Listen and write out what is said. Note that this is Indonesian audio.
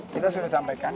kita sudah sampaikan